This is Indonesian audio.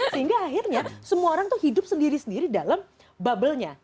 sehingga akhirnya semua orang itu hidup sendiri sendiri dalam bubble nya